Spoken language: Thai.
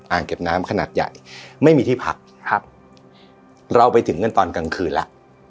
เก็บน้ำขนาดใหญ่ไม่มีที่พักครับเราไปถึงกันตอนกลางคืนแล้ว